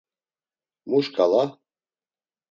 “Mu şǩala?”